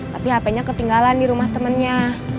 tapi hapenya ketinggalan di rumah temennya